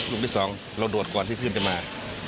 ที่สองเราโดดก่อนที่ขึ้นจะมา